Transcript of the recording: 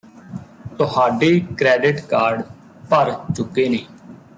ਤੁਹਾਡੇ credit card ਭਰ ਚੁੱਕੇ ਨੇ